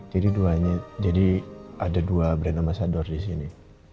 jadi ada dua brand ambasador disini